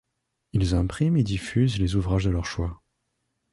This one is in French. Ils impriment et diffusent les ouvrages de leur choix.